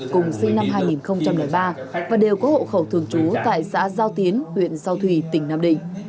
cùng sinh năm hai nghìn ba và đều có hộ khẩu thường trú tại xã giao tiến huyện giao thủy tỉnh nam định